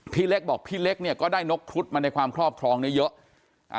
พี่เล็กบอกพี่เล็กเนี่ยก็ได้นกครุฑมาในความครอบครองเนี่ยเยอะอ่า